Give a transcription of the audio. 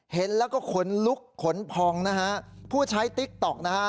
เห็นแล้วก็ขนลุกขนพองนะฮะผู้ใช้ติ๊กต๊อกนะฮะ